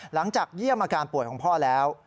หลังจากเยี่ยมอาการป่วยของพ่อแล้ว